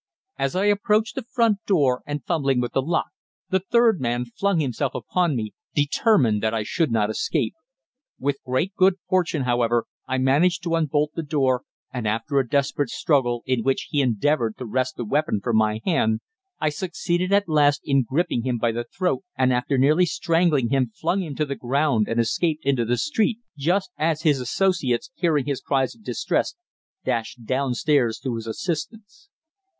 As I approached the front door, and was fumbling with the lock, the third man flung himself upon me, determined that I should not escape. With great good fortune, however, I managed to unbolt the door, and after a desperate struggle, in which he endeavoured to wrest the weapon from my hand, I succeeded at last in gripping him by the throat, and after nearly strangling him flung him to the ground and escaped into the street, just as his associates, hearing his cries of distress, dashed downstairs to his assistance.